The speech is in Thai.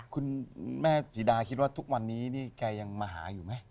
คุณแม่สีดาคิดว่าทุกวันนี้นี่แกยังมาหาอยู่ไหม